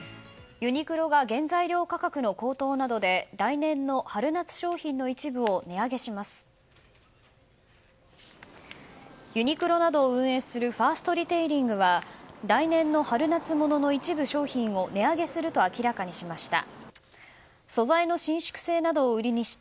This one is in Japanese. ユニクロなどを運営するファーストリテイリングは来年の春夏物の一部商品を値上げすると明らかにしました。